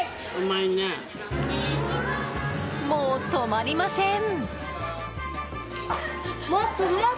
もう止まりません！